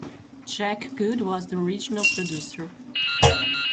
Jack Good was the original producer.